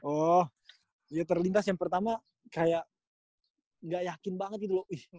oh ya terlintas yang pertama kayak gak yakin banget gitu loh